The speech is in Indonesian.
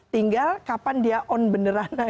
tinggal kapan dia on beneran